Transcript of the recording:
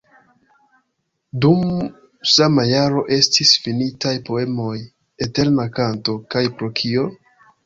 Dum sama jaro estis finitaj poemoj "Eterna kanto" kaj "Pro kio?".